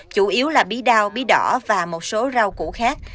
chủ yếu là bí đao bí đỏ và một số rau củ khác